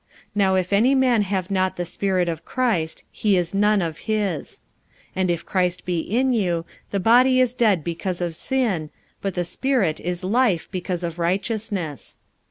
Now if any man have not the Spirit of Christ, he is none of his. 45:008:010 And if Christ be in you, the body is dead because of sin; but the Spirit is life because of righteousness.